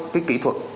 cái kỹ thuật